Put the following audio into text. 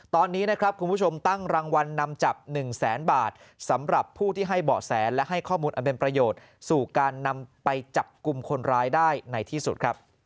ตอนนี้นะครับคุณผู้ชมตั้งรางวัลนำจับ๑แสนบาทสำหรับผู้ที่ให้เบาะแสและให้ข้อมูลอันเป็นประโยชน์สู่การนำไปจับกลุ่มคนร้ายได้ในที่สุดครับ